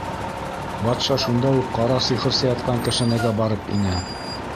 Батша шунда уҡ ҡара сихырсы ятҡан кәшәнәгә барып инә.